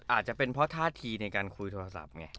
อาจจะเป็นเพราะท่าทีในการคุยโทรศัพท์ไง